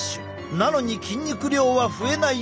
なのに筋肉量は増えないまま。